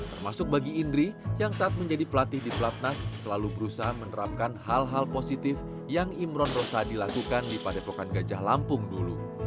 termasuk bagi indri yang saat menjadi pelatih di pelatnas selalu berusaha menerapkan hal hal positif yang imron rosadi lakukan di padepokan gajah lampung dulu